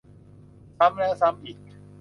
ซ้ำแล้วซ้ำอีก